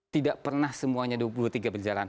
tidak pernah semuanya dua puluh tiga berjalan